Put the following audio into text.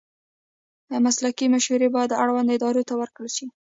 مسلکي مشورې باید اړوندو ادارو ته ورکړل شي.